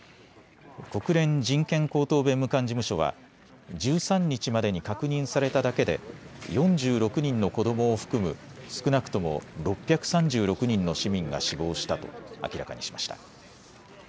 国連人権高等弁務官事務所は１３日までに確認されただけで４６人の子どもを含む少なくとも６３６人の市民が死亡したと明らかにしました。